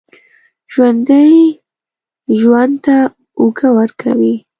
ژوندي ژوند ته اوږه ورکوي